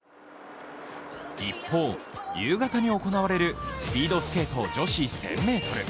一方、夕方に行われるスピードスケート女子１０００ｍ。